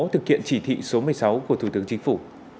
thực hiện chỉ thị số một mươi sáu của thủ tướng chính phủ